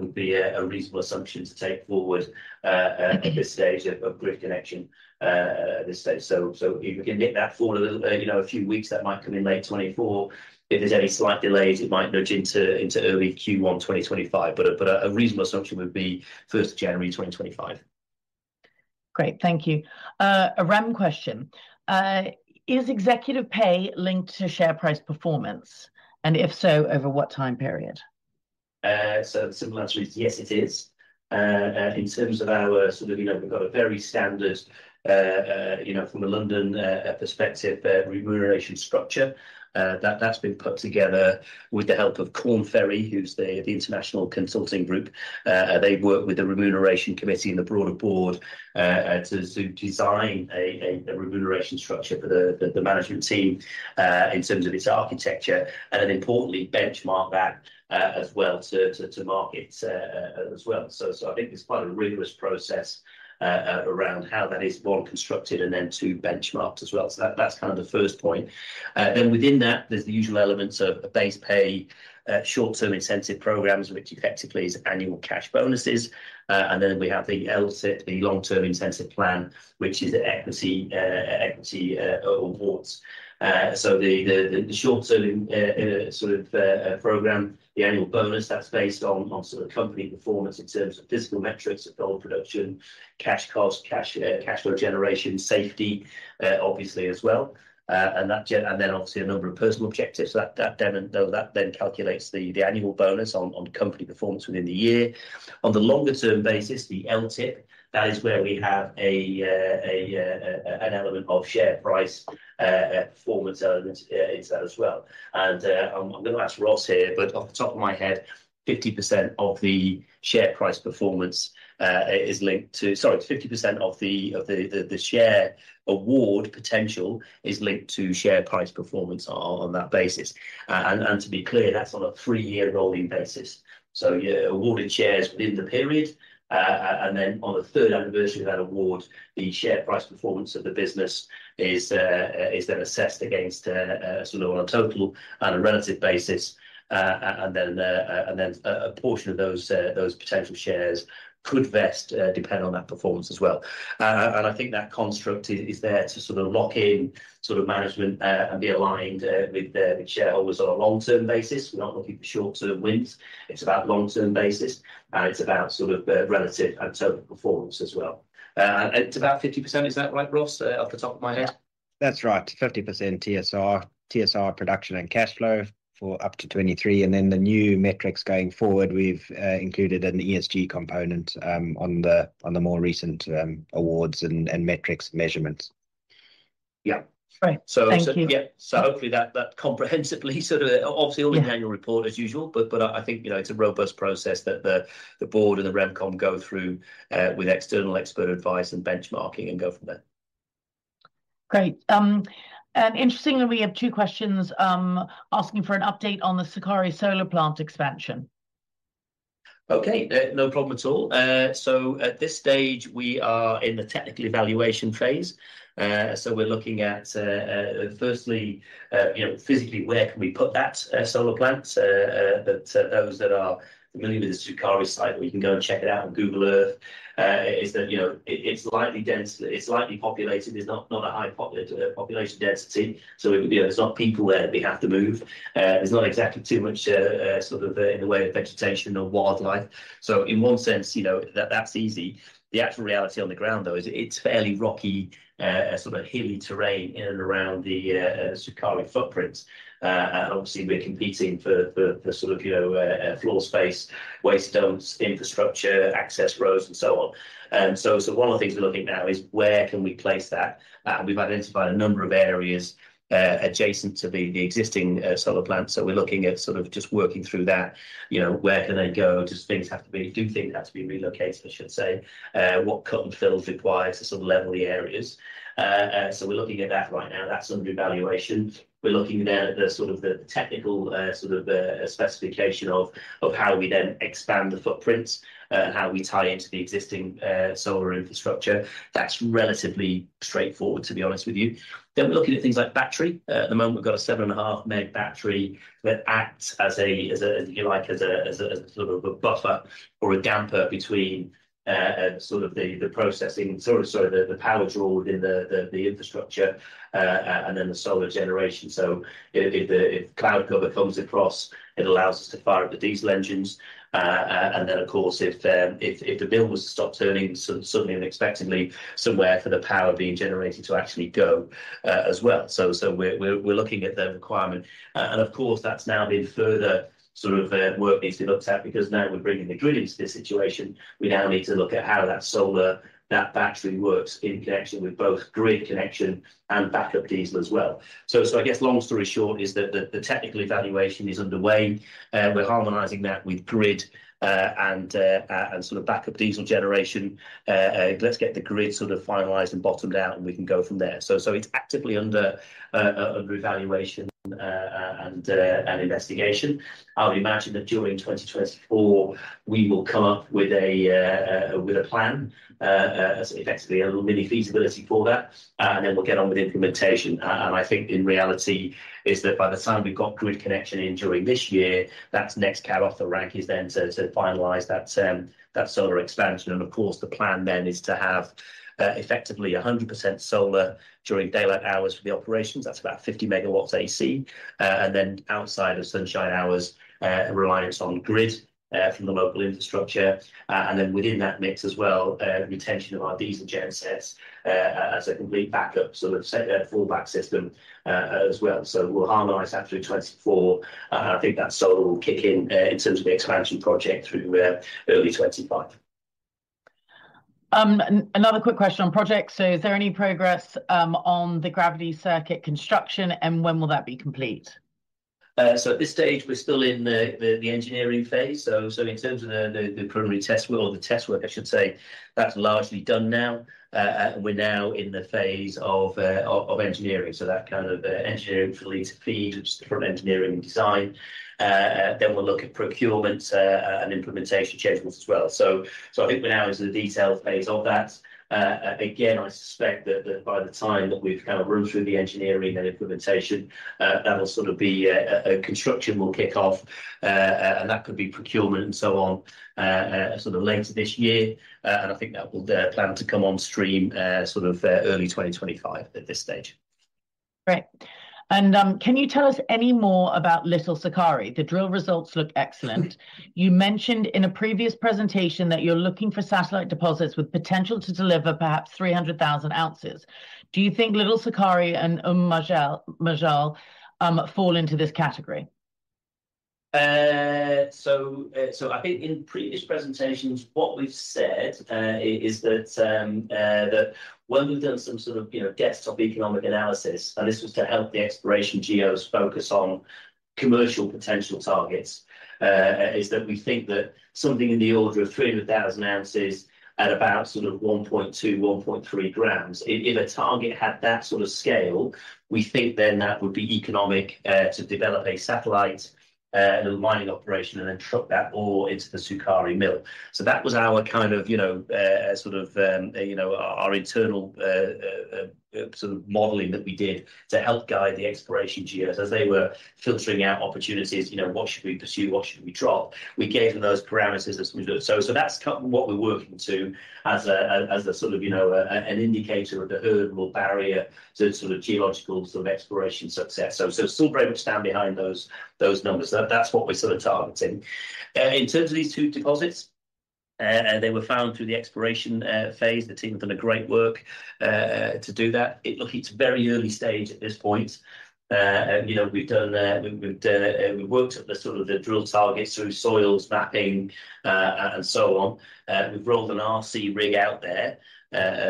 would be a reasonable assumption to take forward. Mm-hmm... at this stage of grid connection, at this stage. So if we can nip that forward a little, you know, a few weeks, that might come in late 2024. If there's any slight delays, it might nudge into early Q1 2025, but a reasonable assumption would be first of January 2025. Great, thank you. A random question: Is executive pay linked to share price performance, and if so, over what time period? So the simple answer is yes, it is. In terms of our sort of, you know, we've got a very standard, you know, from a London perspective, remuneration structure. That's been put together with the help of Korn Ferry, who's the international consulting group. They've worked with the remuneration committee and the broader board to design a remuneration structure for the management team in terms of its architecture, and then importantly, benchmark that as well to market as well. So I think there's quite a rigorous process around how that is, one, constructed, and then two, benchmarked as well. So that's kind of the first point. Then within that, there's the usual elements of a base pay, short-term incentive programs, which effectively is annual cash bonuses. And then we have the LTIP, the long-term incentive plan, which is the equity equity awards. So the short-term sort of program, the annual bonus, that's based on sort of company performance in terms of physical metrics, of gold production, cash cost, cash flow generation, safety, obviously as well. And that and then obviously a number of personal objectives, so that then calculates the annual bonus on company performance within the year. On the longer-term basis, the LTIP, that is where we have an element of share price performance element in that as well. I'm going to ask Ross here, but off the top of my head, 50% of the share price performance is linked to, sorry, 50% of the share award potential is linked to share price performance on that basis. And to be clear, that's on a three-year rolling basis. So you're awarded shares within the period, and then on the third anniversary of that award, the share price performance of the business is then assessed against sort of on a total and a relative basis. And then a portion of those potential shares could vest depending on that performance as well. And I think that construct is there to sort of lock in sort of management, and be aligned with the shareholders on a long-term basis. We're not looking for short-term wins. It's about long-term basis, and it's about sort of relative and total performance as well. It's about 50%, is that right, Ross, off the top of my head?... That's right, 50% TSR, TSR production and cash flow for up to 2023. Then the new metrics going forward, we've included an ESG component on the more recent awards and metrics measurements. Yeah. Great. So- Thank you. Yeah, so hopefully that comprehensively sort of, obviously- Yeah... all in the annual report as usual. But, but I think, you know, it's a robust process that the board and the Remco go through, with external expert advice and benchmarking, and go from there. Great. And interestingly, we have two questions asking for an update on the Sukari solar plant expansion. Okay, no problem at all. So at this stage, we are in the technical evaluation phase. So we're looking at, firstly, you know, physically, where can we put that solar plant? So those that are familiar with the Sukari site, or you can go and check it out on Google Earth, is that, you know, it- it's lightly dense... It's lightly populated. There's not a high population density, so it, you know, there's not people there that we have to move. There's not exactly too much, sort of, in the way of vegetation or wildlife. So in one sense, you know, that's easy. The actual reality on the ground, though, is it's fairly rocky, sort of hilly terrain in and around the Sukari footprint. Obviously, we're competing for sort of, you know, floor space, waste dumps, infrastructure, access roads, and so on. So one of the things we're looking at now is, where can we place that? We've identified a number of areas adjacent to the existing solar plant. So we're looking at sort of just working through that. You know, where can they go? Do things have to be relocated, I should say. What cut and fill is required to sort of level the areas? So we're looking at that right now. That's under evaluation. We're looking at sort of the technical sort of specification of how we then expand the footprint and how we tie into the existing solar infrastructure. That's relatively straightforward, to be honest with you. Then we're looking at things like battery. At the moment, we've got a 7.5 meg battery that acts as a, like, sort of a buffer or a damper between the processing, sort of the power draw within the infrastructure, and then the solar generation. So if the cloud cover comes across, it allows us to fire up the diesel engines. And then, of course, if the mill was to stop turning suddenly and unexpectedly, somewhere for the power being generated to actually go, as well. So we're looking at the requirement. And of course, that's now been further sort of, work needs to be looked at, because now we're bringing the grid into this situation. We now need to look at how that solar, that battery works in connection with both grid connection and backup diesel as well. So, so I guess long story short, is that the, the technical evaluation is underway, we're harmonizing that with grid, and, and sort of backup diesel generation. Let's get the grid sort of finalized and bottomed out, and we can go from there. So, so it's actively under, under evaluation, and, and investigation. I would imagine that during 2024, we will come up with a, with a plan, so effectively a little mini feasibility for that, and then we'll get on with the implementation. And I think in reality, is that by the time we've got grid connection in during this year, that's next cab off the rank is then to finalise that solar expansion. And of course, the plan then is to have effectively 100% solar during daylight hours for the operations. That's about 50 MW AC. And then outside of sunshine hours, a reliance on grid from the local infrastructure. And then within that mix as well, retention of our diesel gen sets as a complete backup, sort of fallback system, as well. So we'll harmonize that through 2024, and I think that solar will kick in in terms of the expansion project through early 2025. Another quick question on projects. So is there any progress on the gravity circuit construction, and when will that be complete? So at this stage, we're still in the engineering phase. So in terms of the preliminary test work, or the test work, I should say, that's largely done now. We're now in the phase of engineering, so that kind of engineering leads FEED, which is different engineering design. Then we'll look at procurement and implementation schedules as well. So I think we're now into the detailed phase of that. Again, I suspect that by the time that we've kind of run through the engineering and implementation, that'll sort of be a construction will kick off, and that could be procurement and so on, sort of later this year. I think that will plan to come on stream sort of early 2025 at this stage. Great. Can you tell us any more about Little Sukari? The drill results look excellent. You mentioned in a previous presentation that you're looking for satellite deposits with potential to deliver perhaps 300,000 oz. Do you think Little Sukari and Umm Majal fall into this category? So, so I think in previous presentations, what we've said, is that, that when we've done some sort of, you know, desktop economic analysis, and this was to help the exploration geos focus on commercial potential targets, is that we think that something in the order of 300,000 oz at about sort of 1.2 g-1.3 g, if a target had that sort of scale, we think then that would be economic, to develop a satellite, mining operation, and then truck that ore into the Sukari mill. So that was our kind of, you know, sort of, you know, our internal sort of modeling that we did to help guide the exploration geos as they were filtering out opportunities, you know, what should we pursue, what should we drop? We gave them those parameters as we do. So that's what we're working to, as a sort of, you know, an indicator of the achievable barrier to sort of geological sort of exploration success. So still very much stand behind those numbers. That's what we're sort of targeting. In terms of these two deposits, they were found through the exploration phase. The team have done a great work to do that. Look, it's very early stage at this point. You know, we've done, we've worked at the sort of the drill targets through soils mapping, and so on. We've rolled an RC rig out there,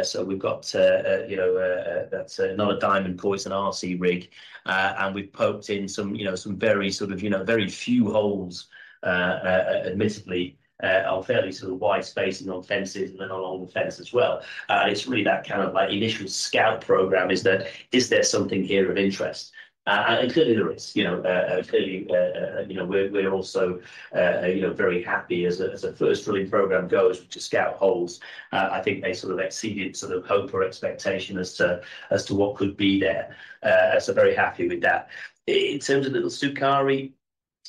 so we've got, you know, that's not a diamond core, it's an RC rig. And we've poked in some, you know, some very sort of, you know, very few holes, admittedly, on fairly sort of wide spacing on fences and then along the fence as well. And it's really that kind of like initial scout program, is that, is there something here of interest? And clearly there is. You know, clearly, you know, we're also, you know, very happy as a first drilling program goes, which is scout holes. I think they sort of exceeded sort of hope or expectation as to what could be there. So very happy with that. In terms of Little Sukari,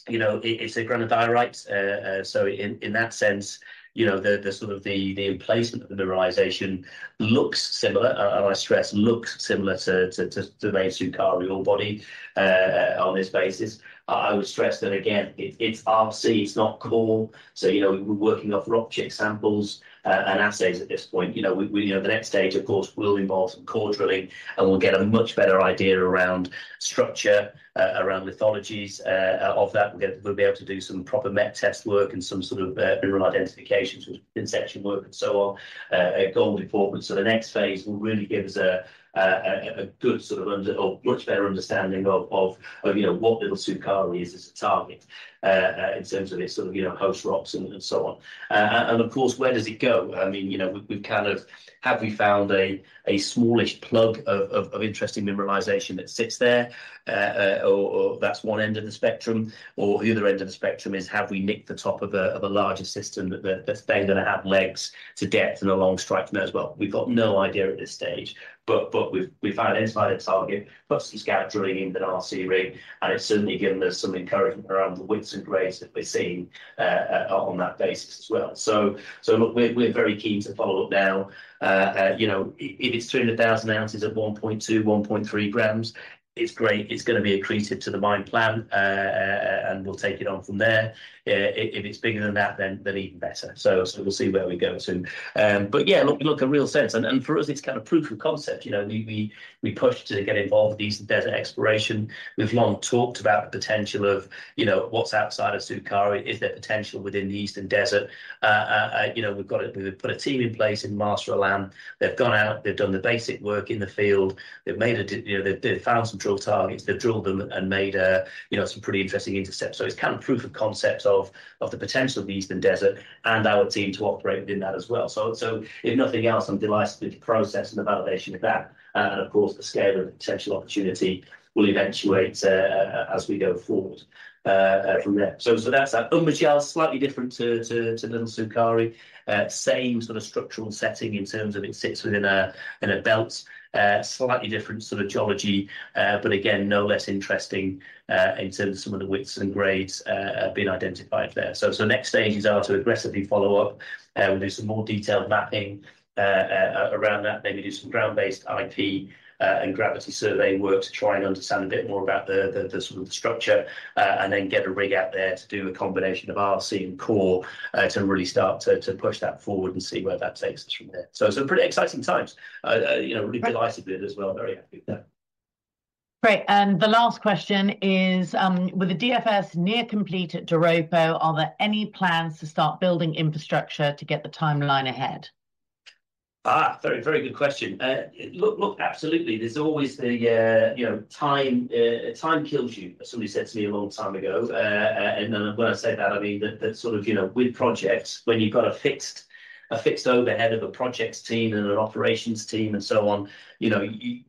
you know, it's a granodiorite, so in that sense, you know, the emplacement of the mineralization looks similar, and I stress, looks similar to the main Sukari ore body, on this basis. I would stress that again, it's RC, it's not core, so you know, we're working off rock chip samples and assays at this point. You know, the next stage, of course, will involve some core drilling, and we'll get a much better idea around structure, around lithologies, of that. We'll be able to do some proper met test work and some sort of mineral identifications with thin section work and so on, gold deportment. So the next phase will really give us a good sort of understanding or much better understanding of, you know, what Little Sukari is as a target, in terms of its sort of, you know, host rocks and so on. And of course, where does it go? I mean, you know, we've kind of... Have we found a smallish plug of interesting mineralization that sits there, or that's one end of the spectrum, or the other end of the spectrum is, have we nicked the top of a larger system that that's then gonna have legs to depth and a long strike to know as well? We've got no idea at this stage, but we've identified a target, put some scout drilling in an RC rig, and it's certainly given us some encouragement around the widths and grades that we're seeing, on that basis as well. So look, we're very keen to follow up now. You know, if it's 300,000 oz at 1.2 g, 1.3 g, it's great. It's gonna be accretive to the mine plan, and we'll take it on from there. If it's bigger than that, then even better. So we'll see where we go soon. But yeah, look, in a real sense, and for us, it's kind of proof of concept. You know, we pushed to get involved with Eastern Desert exploration. We've long talked about the potential of, you know, what's outside of Sukari? Is there potential within the Eastern Desert? You know, we've put a team in place in Marsa Alam. They've gone out, they've done the basic work in the field. They've made a discovery, you know, they've found some drill targets. They've drilled them and made, you know, some pretty interesting intercepts. So it's kind of proof of concept of the potential of the Eastern Desert and our team to operate within that as well. So if nothing else, I'm delighted with the process and the validation of that, and, of course, the scale of the potential opportunity will eventuate as we go forward from there. So that's that. Umm Majal, slightly different to Little Sukari. Same sort of structural setting in terms of it sits within a belt. Slightly different sort of geology, but again, no less interesting in terms of some of the widths and grades being identified there. So, next stages are to aggressively follow up. We'll do some more detailed mapping around that, maybe do some ground-based IP and gravity survey work to try and understand a bit more about the sort of structure, and then get a rig out there to do a combination of RC and core to really start to push that forward and see where that takes us from there. So, pretty exciting times. You know, really delighted with it as well. Very happy with that. Great, and the last question is: With the DFS near complete at Doropo, are there any plans to start building infrastructure to get the timeline ahead? Ah, very, very good question. Look, look, absolutely. There's always the, you know, time, time kills you, as somebody said to me a long time ago. And, and when I say that, I mean that, that sort of, you know, with projects, when you've got a fixed, a fixed overhead of a projects team and an operations team and so on, you know,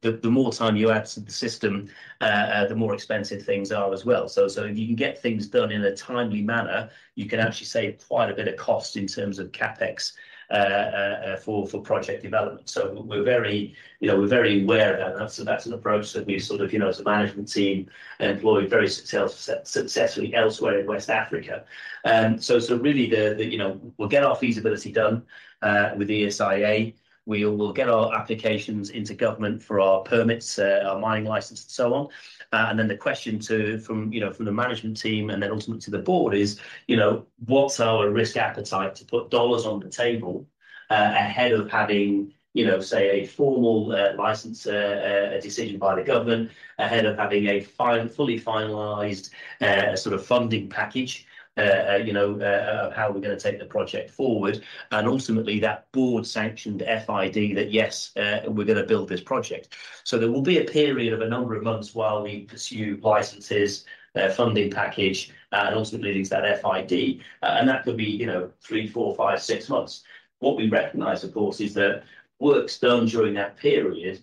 the more time you add to the system, the more expensive things are as well. So, so if you can get things done in a timely manner, you can actually save quite a bit of cost in terms of CapEx, for, for project development. So we're very, you know, we're very aware of that, and that's an approach that we sort of, you know, as a management team, employed very successfully elsewhere in West Africa. So really the you know... We'll get our feasibility done with the ESIA. We will get our applications into government for our permits, our mining license, and so on. And then the question from, you know, from the management team and then ultimately to the board is, you know, what's our risk appetite to put dollars on the table ahead of having, you know, say, a formal license, a decision by the government, ahead of having a fully finalized sort of funding package, you know, how we're gonna take the project forward, and ultimately that board-sanctioned FID that, yes, we're gonna build this project. So there will be a period of a number of months while we pursue licenses, funding package, and ultimately leads to that FID, and that could be, you know, three, four, five, six months. What we recognize, of course, is that work done during that period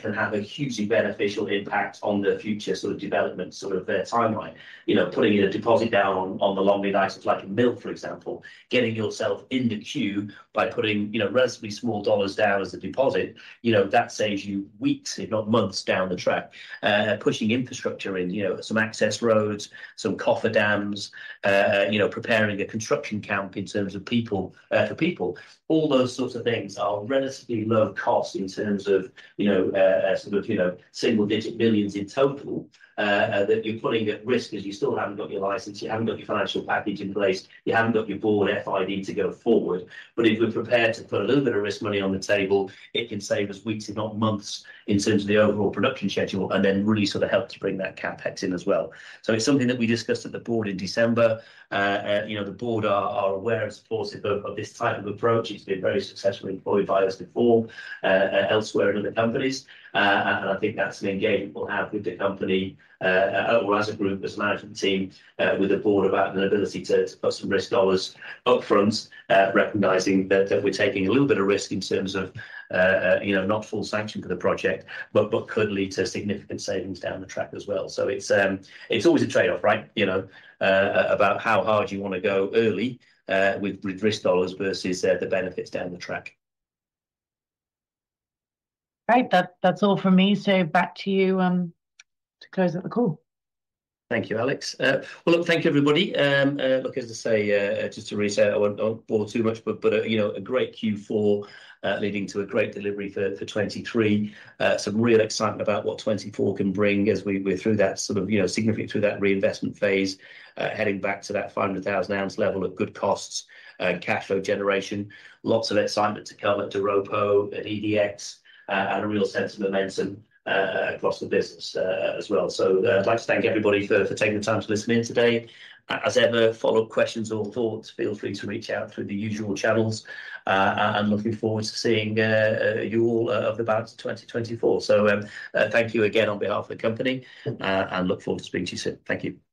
can have a hugely beneficial impact on the future sort of development, sort of, timeline. You know, putting a deposit down on the long lead items like a mill, for example, getting yourself in the queue by putting, you know, relatively small dollars down as a deposit, you know, that saves you weeks, if not months, down the track. Pushing infrastructure in, you know, some access roads, some cofferdams, you know, preparing a construction camp in terms of people for people. All those sorts of things are relatively low cost in terms of, you know, sort of, you know, $1 million-$9 million in total, that you're putting at risk, as you still haven't got your license, you haven't got your financial package in place, you haven't got your board FID to go forward. But if we're prepared to put a little bit of risk money on the table, it can save us weeks, if not months, in terms of the overall production schedule, and then really sort of help to bring that CapEx in as well. So it's something that we discussed at the board in December. You know, the board are aware and supportive of this type of approach. It's been very successfully employed by us before, elsewhere in other companies. I think that's an engagement we'll have with the company, or as a group, as a management team, with a board about an ability to put some risk dollars upfront, recognizing that we're taking a little bit of risk in terms of, you know, not full sanction for the project, but could lead to significant savings down the track as well. So it's always a trade-off, right? You know, about how hard you wanna go early, with risk dollars versus the benefits down the track. Great. That, that's all from me, so back to you, to close out the call. Thank you, Alex. Well, look, thank you, everybody. Look, as I say, just to resay, I won't bore too much but, you know, a great Q4, leading to a great delivery for 2023. Some real excitement about what 2024 can bring as we're through that sort of, you know, significant through that reinvestment phase, heading back to that 500,000 oz level of good costs, cashflow generation. Lots of excitement to come at Doropo, at EDX, and a real sense of momentum across the business, as well. So, I'd like to thank everybody for taking the time to listen in today. As ever, follow-up questions or thoughts, feel free to reach out through the usual channels, and looking forward to seeing you all about 2024. Thank you again on behalf of the company, and look forward to speaking to you soon. Thank you.